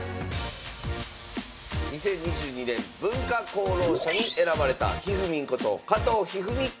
２０２２年文化功労者に選ばれたひふみんこと加藤一二三九段。